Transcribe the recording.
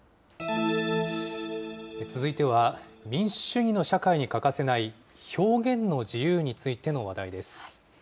続いては、民主主義の社会に欠かせない表現の自由についての話題です。